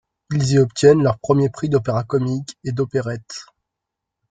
Ils y obtiennent leurs premiers prix d'opéra comique et d'opérette.